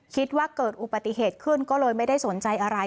คิดว่าเกิดอุบัติเหตุขึ้นก็เลยไม่ได้สนใจอะไร